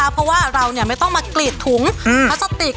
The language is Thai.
เพราะเราไม่ต้องกรีดถุงมัสติก